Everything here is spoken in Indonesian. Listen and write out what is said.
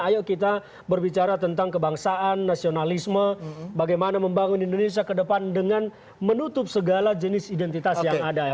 ayo kita berbicara tentang kebangsaan nasionalisme bagaimana membangun indonesia ke depan dengan menutup segala jenis identitas yang ada